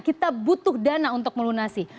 kita butuh dana untuk melunasi